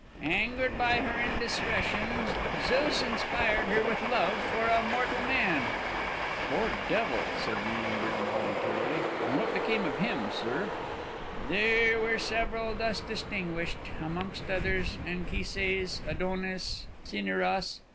"Angered by her indiscretions, Zeus inspired her with love for a mortal man." "Poor devil!" said Leander, involuntarily. "And what became of him, sir?" "There were several thus distinguished; amongst others, Anchises, Adonis, and Cinyras.